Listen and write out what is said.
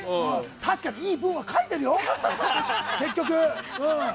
確かに、いい文は書いてるよ結局。